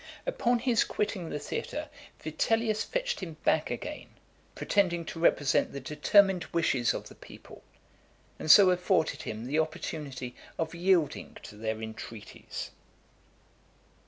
Upon his quitting the theatre, Vitellius fetched him back again, pretending to represent the determined wishes of the people, and so afforded him the opportunity of yielding to their in treaties.